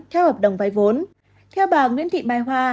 theo hợp đồng vay vốn theo bà nguyễn thị mai hoa